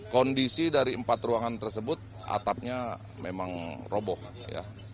kondisi dari empat ruangan tersebut atapnya memang roboh ya